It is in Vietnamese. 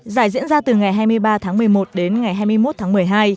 giải diễn ra từ ngày hai mươi ba tháng một mươi một đến ngày hai mươi một tháng một mươi hai